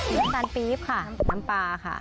น้ำตาลปี๊บค่ะน้ำปลาค่ะ